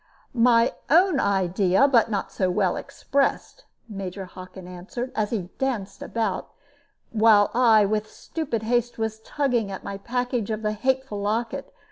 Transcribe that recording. "My own idea, but not so well expressed," Major Hockin answered, as he danced about, while I with stupid haste was tugging at my package of the hateful locket.